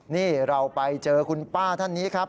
นี่เราไปเจอคุณป้าท่านนี้ครับ